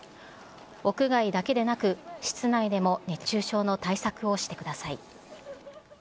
屋外だけでなく、室内でも熱中症の対策をしてください。